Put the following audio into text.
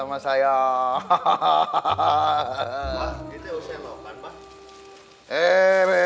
itu yang saya mau kan pak